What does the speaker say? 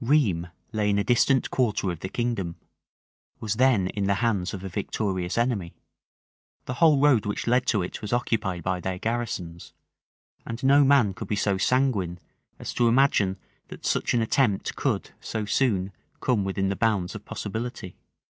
Rheims lay in a distant quarter of the kingdom; was then in the hands of a victorious enemy; the whole road which led to it was occupied by their garrisons; and no man could be so sanguine as to imagine that such an attempt could so soon come within the bounds of possibility.